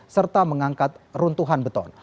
serta mengangkat runtuhan beton